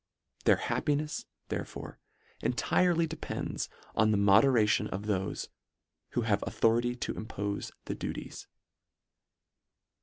Their happinefs, therefore, entirely de pends on the moderation of thofe who have authority to impofe the duties.